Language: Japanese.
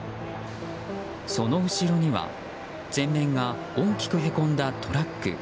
その後ろには前面が大きくへこんだトラック。